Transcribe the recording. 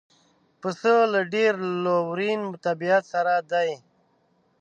پسه له ډېر لورین طبیعت سره دی.